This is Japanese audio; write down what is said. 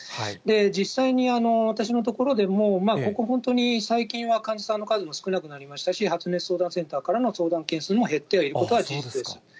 実際に私のところでも、ここ本当に最近は患者さんの数も少なくなりましたし、発熱相談センターからの相談件数も減ってはいることは事実です。